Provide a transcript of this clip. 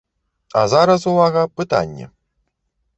А зараз, увага, пытанне!